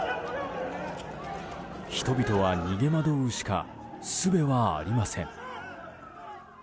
人々は逃げ惑うしかすべはありません。